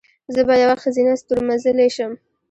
زه به یوه ښځینه ستورمزلې شم."